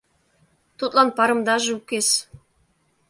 Тудлан парымдаже укес.